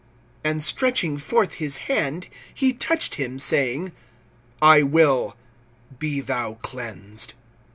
(13)And stretching forth his hand he touched him, saying: I will; be thou cleansed.